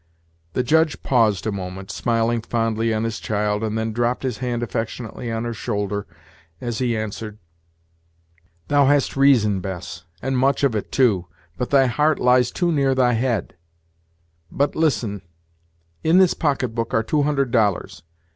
The Judge paused a moment, smiling fondly on his child, and then dropped his hand affectionately on her shoulder, as he answered: "Thou hast reason, Bess, and much of it, too, but thy heart lies too near thy head, But listen; in this pocketbook are two hundred dollars.